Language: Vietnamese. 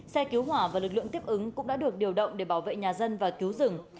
xe cứu hỏa và lực lượng tiếp ứng cũng đã được điều động để bảo vệ nhà dân và cứu rừng